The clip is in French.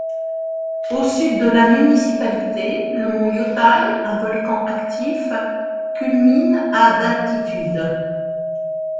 Au sud de la municipalité, le Mont Yōtei, un volcan actif, culmine à d'altitude.